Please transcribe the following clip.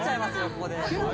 ここで。